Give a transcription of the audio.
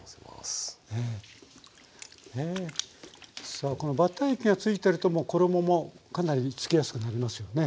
さあこのバッター液がついてるともう衣もかなりつきやすくなりますよね。